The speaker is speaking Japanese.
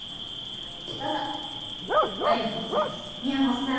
どうぞありがとうございますみやもっさん